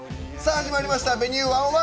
始まりました「Ｖｅｎｕｅ１０１」。